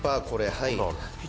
はい」